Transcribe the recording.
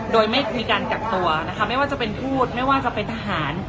โดยไม่มีการกักตัวนะคะไม่ว่าจะเป็นทูตไม่ว่าจะเป็นทหาร